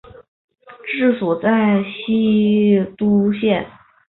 治所在西都县。